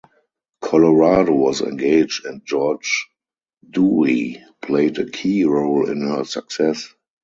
Colorado was engaged, and George Dewey played a key role in her success.